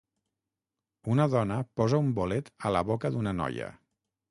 Una dona posa un bolet a la boca d'una noia